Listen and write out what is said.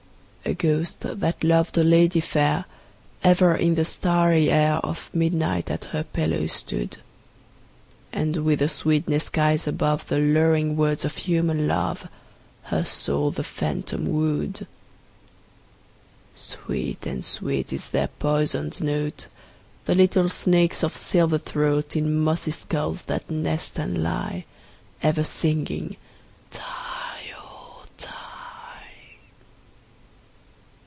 A ghost, that loved a lady fair, Ever in the starry air Of midnight at her pillow stood; And, with a sweetness skies above The luring words of human love, Her soul the phantom wooed. Sweet and sweet is their poisoned note, The little snakes' of silver throat, In mossy skulls that nest and lie, Ever singing "die, oh! die."